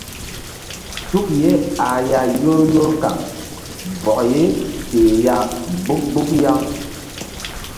Suk ye ah ya yor yor kaŋ bɔk ye peh ya mgbuk mgbuk yaŋ.